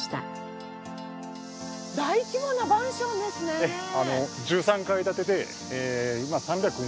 大規模なマンションですねえ。